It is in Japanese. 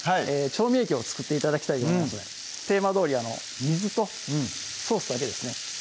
調味液を作って頂きたいと思いますテーマどおり水とソースだけですね